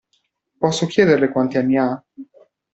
Posso chiederle quanti anni ha?